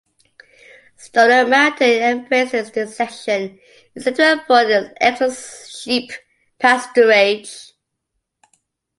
Stono Mountain, embraced in this section, is said to afford excellent sheep pasturage.